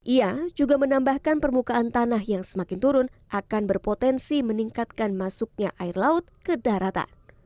ia juga menambahkan permukaan tanah yang semakin turun akan berpotensi meningkatkan masuknya air laut ke daratan